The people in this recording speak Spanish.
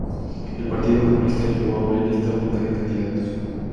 El Partido Comunista llevó una lista única de candidatos.